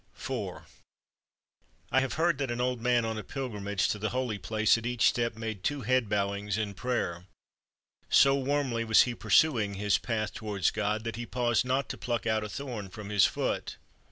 " IV I have heard that an old man on a pilgrimage to the Holy Place at each step made two head bowings in prayer. So warmly was he pursuing his path towards 388 LITTLE STORIES FROM SADI God that he paused not to pluck out a thorn from his foot.